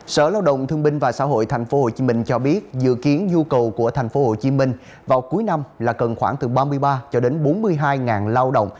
sở lao động thương minh và xã hội tp hcm cho biết dự kiến nhu cầu của tp hcm vào cuối năm là cần khoảng từ ba mươi ba bốn mươi hai ngàn lao động